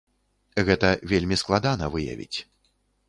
Гэта вельмі складана выявіць.